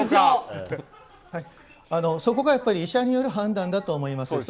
そこがやっぱり医者による判断だと思います。